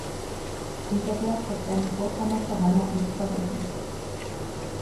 Syberberg hat seine vorpommersche Heimat nicht vergessen.